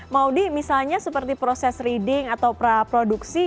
maudie misalnya seperti proses reading atau praproduksi